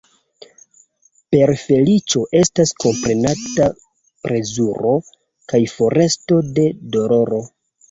Per feliĉo estas komprenata plezuro kaj foresto de doloro.